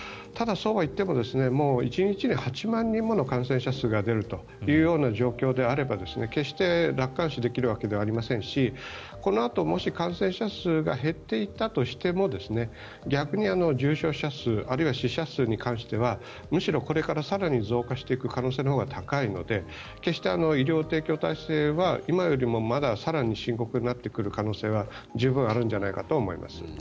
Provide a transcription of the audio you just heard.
ただ、そうはいっても１日に８万人もの感染者数が出るという状況であれば決して楽観視できるわけではありませんしこのあと、もし感染者数が減っていったとしても逆に重症者数あるいは死者数に関してはむしろこれから更に増加していく可能性のほうが高いので決して、医療提供体制は今よりもまだ更に深刻になっていく可能性は十分あるんじゃないかと思います。